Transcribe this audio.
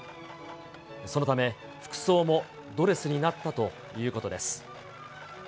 そのため、服装もドレスになったということです。